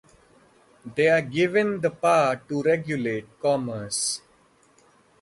They are given the power to regulate commerce.